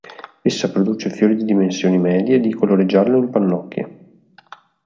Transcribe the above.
Essa produce fiori di dimensioni medie di colore giallo in pannocchie.